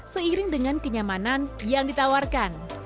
seiring dengan kenyamanan yang ditawarkan